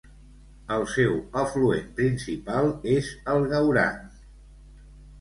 El seu afluent principal és el Gaurang.